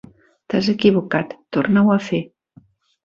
T'has equivocat, torna-ho a fer.